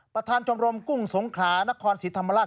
ประธานจมรมกุ้งสงขานครศิษย์ธรรมลา